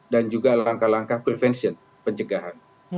dan juga langkah langkah prevention pencegahan